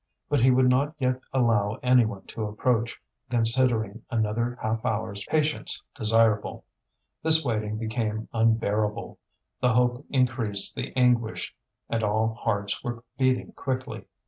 But he would not yet allow any one to approach, considering another half hour's patience desirable. This waiting became unbearable; the hope increased the anguish and all hearts were beating quickly.